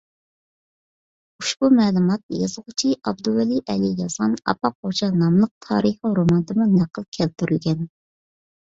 ئۇشبۇ مەلۇمات، يازغۇچى ئابدۇۋەلى ئەلى يازغان «ئاپاق خوجا» ناملىق تارىخىي روماندىمۇ نەقىل كەلتۈرۈلگەن.